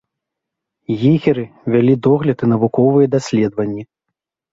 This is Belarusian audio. Егеры вялі догляд і навуковыя даследаванні.